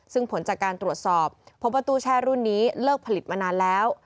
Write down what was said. ซึ่งผลจากการตรวจสอบพบว่าตู้แช่รุ่นนี้เลิกผลิตมานานแล้ว